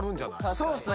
そうっすね